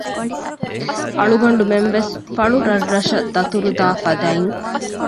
އަޅުގަނޑުމެންވެސް ފަޅުރަށްރަށަށް ދަތުރުދާ ފަދައިން